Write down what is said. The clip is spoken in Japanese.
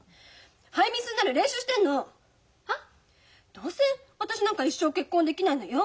どうせ私なんか一生結婚できないのよ。